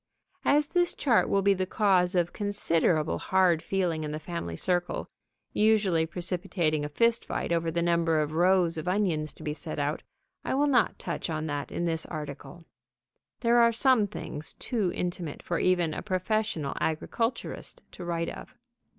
As this chart will be the cause of considerable hard feeling in the family circle, usually precipitating a fist fight over the number of rows of onions to be set out, I will not touch on that in this article. There are some things too intimate for even a professional agriculturist to write of.